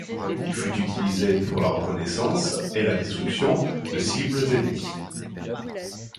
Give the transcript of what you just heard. Il fut utilisé pour la reconnaissance et la destruction de cibles ennemies.